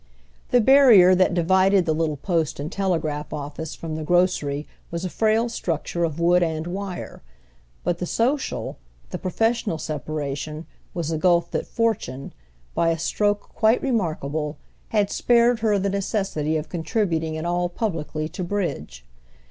The barrier that divided the little post and telegraph office from the grocery was a frail structure of wood and wire; but the social, the professional separation was a gulf that fortune, by a stroke quite remarkable, had spared her the necessity of contributing at all publicly to bridge.